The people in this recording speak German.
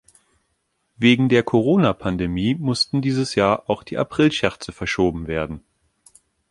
Wegen der Corona-Pandemie mussten dieses Jahr auch die Aprilscherze verschoben werden.